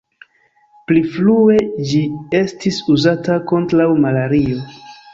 Pli frue ĝi estis uzata kontraŭ malario.